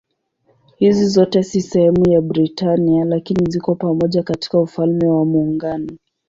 Hizi zote si sehemu ya Britania lakini ziko pamoja katika Ufalme wa Muungano.